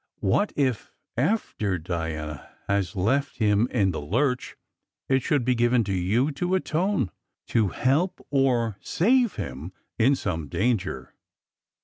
What if, after Diana has left him in the lurch, it should be given to you to atone to help or save him in some danger?